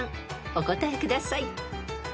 お答えください］